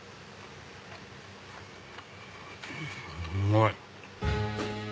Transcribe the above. うまい！